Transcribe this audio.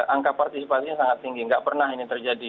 angka partisipasinya sangat tinggi nggak pernah ini terjadi